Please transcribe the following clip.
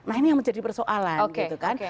nah ini yang menjadi persoalan gitu kan